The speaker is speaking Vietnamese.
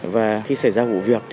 và khi xảy ra vụ việc thì cần